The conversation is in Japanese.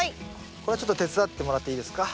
これちょっと手伝ってもらっていいですか。